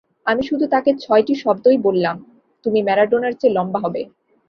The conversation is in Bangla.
আমি শুধু তাকে ছয়টি শব্দই বললাম, তুমি ম্যারাডোনার চেয়ে লম্বা হবে।